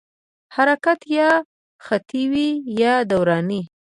حرکت یا خطي وي یا دوراني.